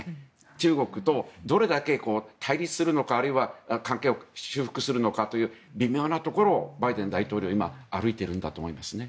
中国とどれだけ対立するのかあるいは関係を修復するのかという微妙なところをバイデン大統領は今、歩いているんだと思いますね。